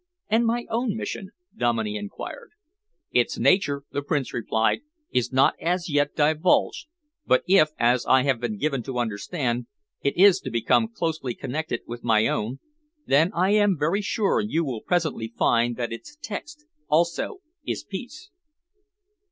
"And my own mission?" Dominey enquired. "Its nature," the Prince replied, "is not as yet divulged, but if, as I have been given to understand, it is to become closely connected with my own, then I am very sure you will presently find that its text also is Peace."